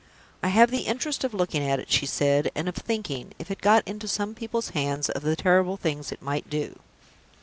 "I have the interest of looking at it," she said, "and of thinking, if it got into some people's hands, of the terrible things it might do."